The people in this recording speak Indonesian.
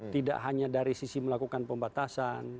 tidak hanya dari sisi melakukan pembatasan